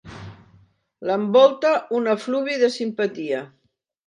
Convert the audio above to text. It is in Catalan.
L'envolta un efluvi de simpatia.